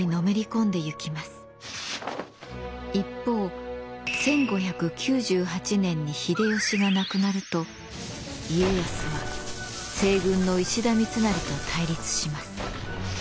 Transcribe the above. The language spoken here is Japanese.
一方１５９８年に秀吉が亡くなると家康は西軍の石田三成と対立します。